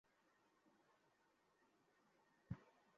তোমার উদ্দেশ্যের ব্যাপারে আমি জানি।